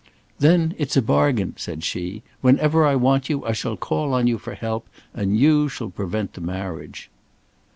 "Then, it's a bargain," said she; "whenever I want you, I shall call on you for help, and you shall prevent the marriage."